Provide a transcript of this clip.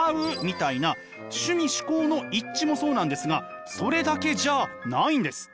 みたいな趣味嗜好の一致もそうなんですがそれだけじゃないんです！